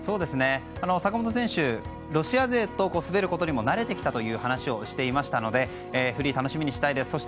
坂本選手はロシア勢と滑ることにも慣れてきたという話をしていましたのでフリー楽しみにしたいです。